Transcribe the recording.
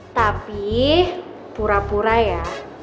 tapi pura pura ya